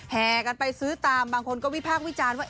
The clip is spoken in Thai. แห่กันไปซื้อตามบางคนก็วิพากษ์วิจารณ์ว่า